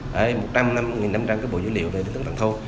một năm trăm linh cái bộ dữ liệu này đến tầng thôn